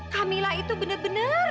kamila itu bener bener